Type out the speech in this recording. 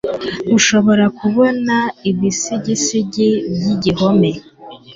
urashobora kubona ibisigisigi byigihome